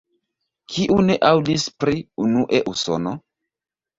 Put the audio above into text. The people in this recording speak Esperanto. Kiu ne aŭdis pri "Unue Usono"?